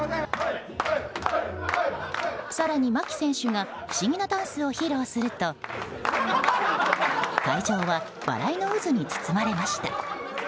更に牧選手が不思議なダンスを披露すると会場は笑いの渦に包まれました。